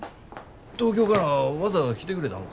東京からわざわざ来てくれたんか？